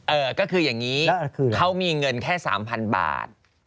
ก็คืออย่างนี้เขามีเงินแค่๓๐๐๐บาท